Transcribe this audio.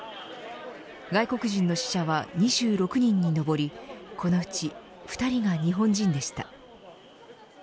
外国人の死者は２６人に上りこのうち２人が日本人でした。